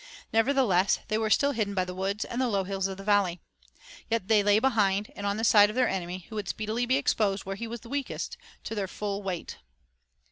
Nevertheless, they were still hidden by the woods and the low hills of the valley. Yet they lay behind and on the side of their enemy who would speedily be exposed where he was weakest, to their full weight.